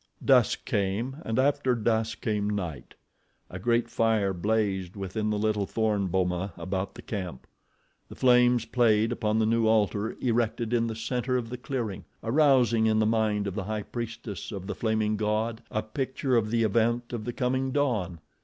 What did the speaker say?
Dusk came and after dusk came night. A great fire blazed within the little thorn boma about the camp. The flames played upon the new altar erected in the center of the clearing, arousing in the mind of the High Priestess of the Flaming God a picture of the event of the coming dawn.